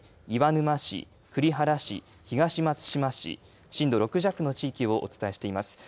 岩沼市、栗原市東松島市震度６弱の地域をお伝えしています。